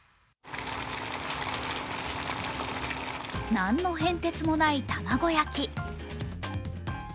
何の変哲もない卵焼き。